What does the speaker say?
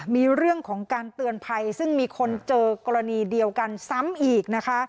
มีเรื่องของการเตือนภัยซึ่งมีคนเจอกรณีเดียวกันซ้ำอีกนะคะ